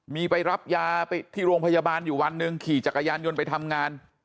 มีไปรับยาไปที่โรงพยาบาลอยู่วันหนึ่งขี่จักรยานยนต์ไปทำงาน